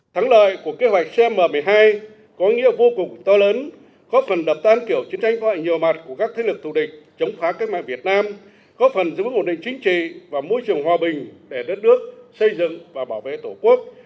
thắng lợi của kế hoạch cm một mươi hai có nghĩa vô cùng to lớn góp phần đập tan kiểu chiến tranh phá hoại nhiều mặt của các thế lực thù địch chống phá cách mạng việt nam góp phần giữ vững ổn định chính trị và môi trường hòa bình để đất nước xây dựng và bảo vệ tổ quốc